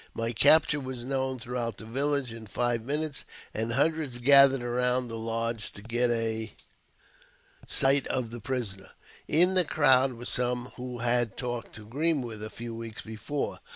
My capture was known throughout the village in five minutes, and hundreds gathered around the lodge to get a ^ 132 AUTOBIOGBAPHY OF sight of the prisoner. In the crowd were some who had talked to Greenwood a few weeks before.